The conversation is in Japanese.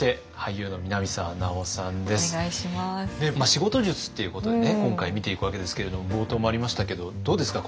仕事術っていうことでね今回見ていくわけですけれども冒頭もありましたけどどうですか？